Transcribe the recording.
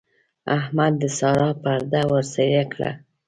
احمد د سارا پرده ورڅېرې کړه.